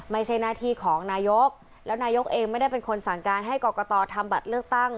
ไม่ใช่หน้าที่ของนายกแล้วนายกเองไม่ได้เป็นคนสั่งการให้กรกตทำบัตรเลือกตั้ง